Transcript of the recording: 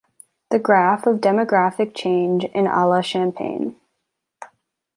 The graph of demographic change in Allah champagne